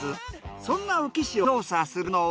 そんな宇城市を調査するのは。